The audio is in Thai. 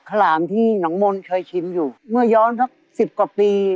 ข้าวหลามที่น้องมนเคยชิมอยู่เมื่อย้อนสิบกว่าปี